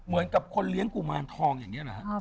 เหมือนกับคนเลี้ยงกุมารทองอย่างนี้เหรอฮะ